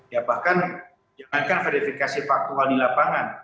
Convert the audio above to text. ya bahkan jangankan verifikasi faktual di lapangan